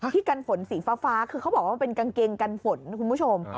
กันฝนสีฟ้าคือเขาบอกว่าเป็นกางเกงกันฝนนะคุณผู้ชม